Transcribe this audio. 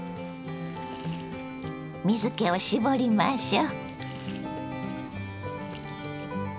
水けを絞りましょう。